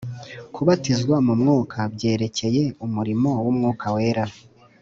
Kubatizwa mu Mwuka byerekeye umurimo w'Umwuka Wera